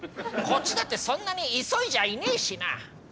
こっちだってそんなに急いじゃいねえしな。